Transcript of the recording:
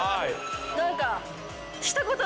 何か。